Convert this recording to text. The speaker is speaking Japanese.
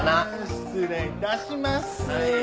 失礼いたします。